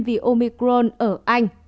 vì omicron ở anh